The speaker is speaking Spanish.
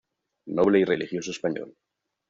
Noble y religioso español.